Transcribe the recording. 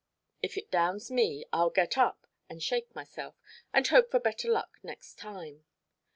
If it downs me, I'll get up and shake myself, and hope for better luck next time.